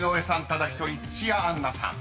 ただ一人土屋アンナさん］